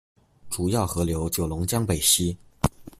主要河流九龙江北溪。